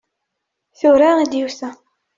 Tura i d-yusa.